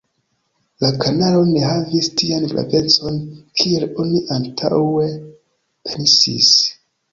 La kanalo ne havis tian gravecon, kiel oni antaŭe pensis.